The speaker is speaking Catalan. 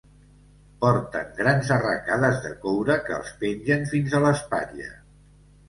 Porten grans arracades de coure que els pengen fins a l'espatlla.